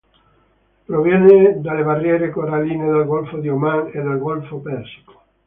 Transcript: Proviene dalle barriere coralline del golfo di Oman e del golfo Persico.